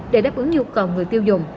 để đáp ứng nhu cầu người tiêu dùng